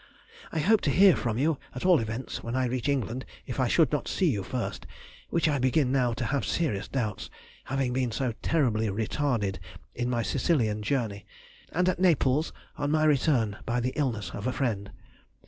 I hope to hear from you at all events when I reach England if I should not see you first, of which I begin now to have serious doubts, having been so terribly retarded in my Sicilian journey, and at Naples, on my return, by the illness of a friend.